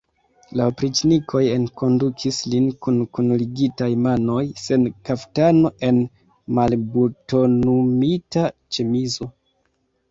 La opriĉnikoj enkondukis lin kun kunligitaj manoj, sen kaftano, en malbutonumita ĉemizo.